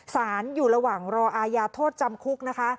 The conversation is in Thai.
สารอยู่ระหว่างรออาญาโทษจำคุกนะคะ